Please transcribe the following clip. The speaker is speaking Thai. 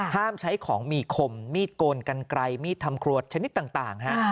ห้ามใช้ของมีขมมีดโกนกันไกรมีดทำโครวชนิดต่างค่ะ